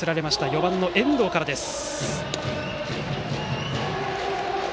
４番の遠藤からです。